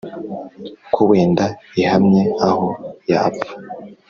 ko wenda ihamye aho yapfa,